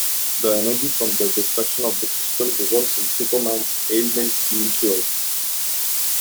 The energy from the destruction of the crystal results in Superman's ailment being cured.